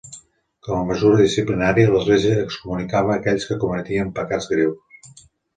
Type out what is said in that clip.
Com a mesura disciplinària, l'església excomunicava aquells que cometien pecats greus.